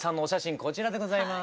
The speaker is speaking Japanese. こちらでございます。